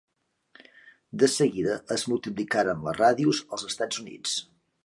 De seguida es multiplicaren les ràdios als Estats Units.